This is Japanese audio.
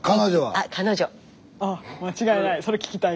あ間違いない。